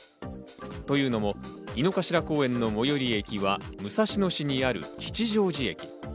というのも、井の頭公園の最寄り駅は武蔵野市にある吉祥寺駅。